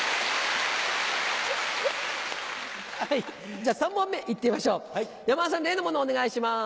じゃあ３問目いってみましょう山田さん例のものお願いします。